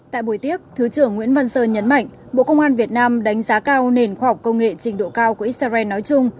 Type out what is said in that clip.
tại buổi tiếp thứ trưởng nguyễn văn sơn nhấn mạnh bộ công an việt nam đánh giá cao nền khoa học công nghệ trình độ cao của israel nói chung